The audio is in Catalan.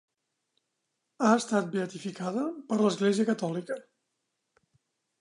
Ha estat beatificada per l'Església Catòlica.